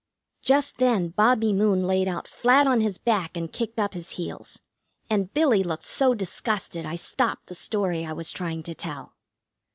Just then Bobbie Moon laid out flat on his back and kicked up his heels. And Billie looked so disgusted, I stopped the story I was trying to tell.